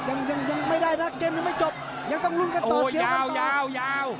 ยังยังยังไม่ได้นะเกมยังไม่จบยังต้องรุ่งต่อสลียดฮันต์ตัวยาวยาว